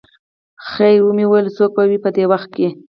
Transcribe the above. خیر مې وویل څوک به وي په دې وخت.